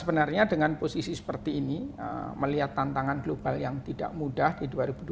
sebenarnya dengan posisi seperti ini melihat tantangan global yang tidak mudah di dua ribu dua puluh